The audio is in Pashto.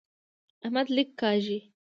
احمد لیک کاږي.